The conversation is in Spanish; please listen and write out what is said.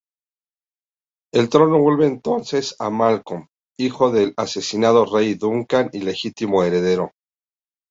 El trono vuelve entonces a Malcolm, hijo del asesinado rey Duncan y legítimo heredero.